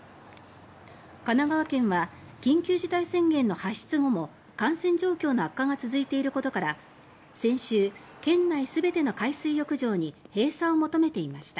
神奈川県は緊急事態宣言の発出後も感染状況の悪化が続いていることから先週、県内全ての海水浴場に閉鎖を求めていました。